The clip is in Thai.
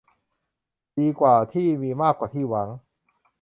ดีกว่าที่มีมากกว่าที่หวัง